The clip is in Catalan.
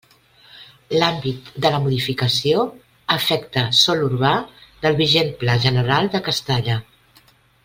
L'àmbit de la modificació afecta sòl urbà del vigent pla general de Castalla.